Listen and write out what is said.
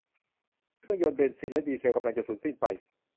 เครื่องยนต์เบนซินและดีเซลกำลังจะสูญสิ้นไป